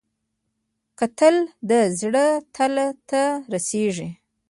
کتل د زړه تل ته رسېږي